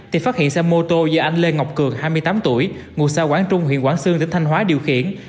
thì phát hiện xe mô tô do anh lê ngọc cường hai mươi tám tuổi ngủ xa quảng trung huyện quảng xương tỉnh thanh hóa điều khiển